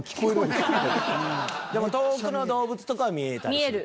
でも遠くの動物とかは見えたりする。